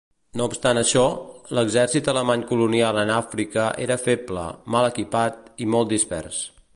No obstant això, l'exèrcit alemany colonial en Àfrica era feble, mal equipat i molt dispers.